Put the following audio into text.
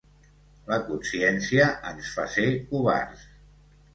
La consciencia ens fa ser covards